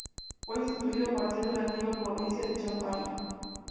Fue instituido a partir de la antigua provincia de Champaña.